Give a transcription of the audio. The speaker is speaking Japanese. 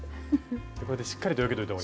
こうやってしっかりとよけといた方が。